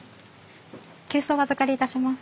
急須お預かりいたします。